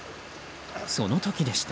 その時でした。